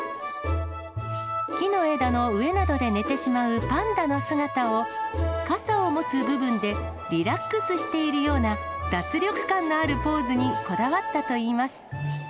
木の枝の上などで寝てしまうパンダの姿を、傘を持つ部分でリラックスしているような脱力感のあるポーズにこだわったといいます。